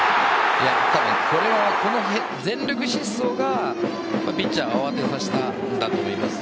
多分これは、この全力疾走がピッチャーを慌てさせたんだと思います。